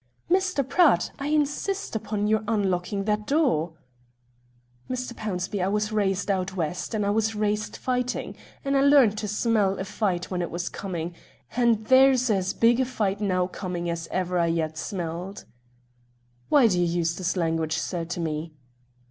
"Mr. Pratt, I insist upon your unlocking that door." "Mr. Pownceby, I was raised out West, and I was raised fighting, and I learnt to smell a fight when it was coming, and there's as big a fight now coming as ever I yet smelt." "Why do you use this language, sir, to me?"